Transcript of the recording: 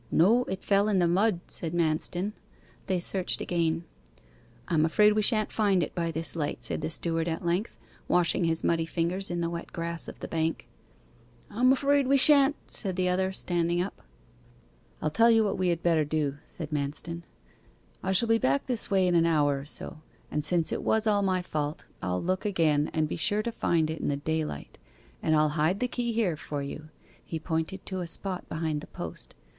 'No; it fell in the mud,' said Manston. They searched again. 'I'm afraid we shan't find it by this light,' said the steward at length, washing his muddy fingers in the wet grass of the bank. 'I'm afraid we shan't,' said the other, standing up. 'I'll tell you what we had better do,' said Manston. 'I shall be back this way in an hour or so, and since it was all my fault, I'll look again, and shall be sure to find it in the daylight. And I'll hide the key here for you.' He pointed to a spot behind the post.